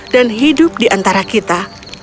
dan hidup di antara kita